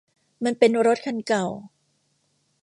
มันเป็นรถคันเก่า